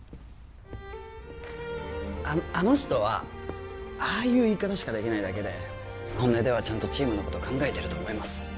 ああの人はああいう言い方しかできないだけで本音ではちゃんとチームのこと考えてると思います